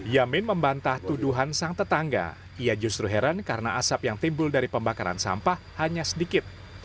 yamin membantah tuduhan sang tetangga ia justru heran karena asap yang timbul dari pembakaran sampah hanya sedikit